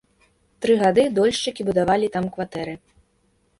Тры гады дольшчыкі будавалі там кватэры.